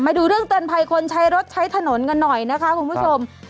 มาดูเรื่องเตือนภัยคนใช้รถใช้ถนนกันหน่อยนะคะคุณผู้ชม